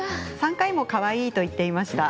３回もかわいいと言っていました。